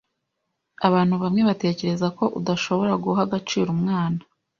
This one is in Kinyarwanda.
Abantu bamwe batekereza ko udashobora guha agaciro umwana.